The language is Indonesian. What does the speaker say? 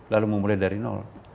lalu memulai dari nol